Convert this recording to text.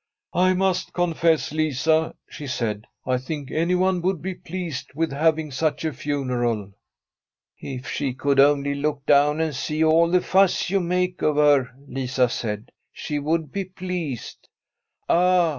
' I must confess, Lisa,' she said, ' I think any one would be pleased with having such a funeral.' From a SWEDISH HOMESTEAD ' If she could only look down and see all the fuss you make of her/ Lisa said, ' she would be pleased/ ' Ah